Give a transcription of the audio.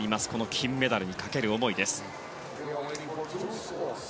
金メダルにかける思いです。